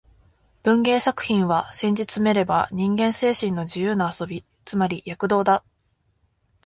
文芸作品は、せんじつめれば人間精神の自由な遊び、つまり躍動だ